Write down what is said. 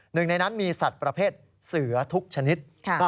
หนึ่งในนั้นมีสัตว์ประเภทเสือทุกชนิด